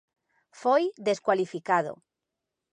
Foi descualificado.